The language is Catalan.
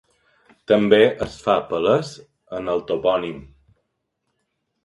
També es fa palès en el topònim.